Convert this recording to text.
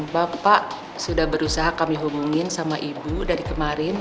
bapak sudah berusaha kami hubungin sama ibu dari kemarin